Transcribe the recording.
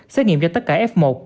xét nghiệm cho tất cả f một